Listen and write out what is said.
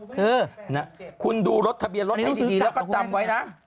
คือคุณดูรถทะเบียนรถให้ดีแล้วก็จำไว้นะ